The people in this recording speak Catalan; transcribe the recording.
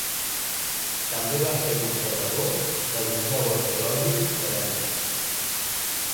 També va ser conservador del Museu Arqueològic de Berna.